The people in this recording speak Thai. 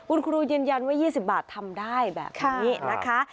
คุณครูยืนยันว่า๒๐บาททำได้แบบนี้นะคะ